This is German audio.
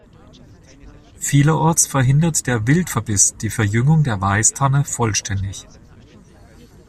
Vielerorts verhindert der Wildverbiss die Verjüngung der Weiß-Tanne vollständig.